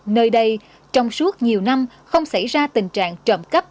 nơi đây trong suốt nhiều năm không xảy ra tình trạng trộm cắp